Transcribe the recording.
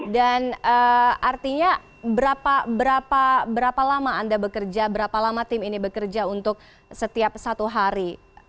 dan artinya berapa lama anda bekerja berapa lama tim ini bekerja untuk setiap satu hari